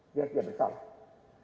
dia tidak bersalah